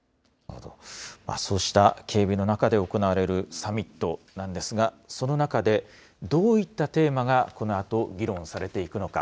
そうした警備の中で行われるサミットなんですが、その中でどういったテーマがこのあと議論されていくのか。